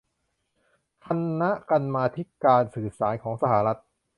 คณะกรรมาธิการการสื่อสารของสหรัฐ